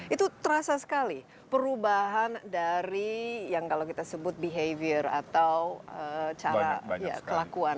itu terasa sekali perubahan dari yang kalau kita sebut behavior atau cara kelakuan